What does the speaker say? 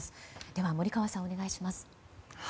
では森川さん、お願いします。